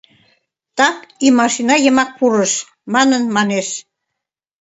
Так и машина йымак пурыш, — манын манеш».